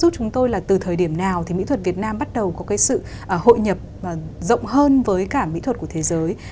giúp chúng tôi là từ thời điểm nào thì mỹ thuật việt nam bắt đầu có cái sự hội nhập rộng hơn với cả mỹ thuật của thế giới